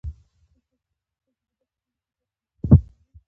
څه دي د بل سيوري کې، بس د مختورۍ منل